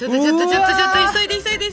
ちょっとちょっと急いで急いで！